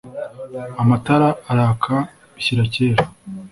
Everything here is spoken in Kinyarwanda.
amatara araka bishyira kera